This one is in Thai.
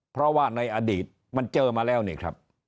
เพราะว่าในอดีตมันเจอมาแล้วนี่ครับ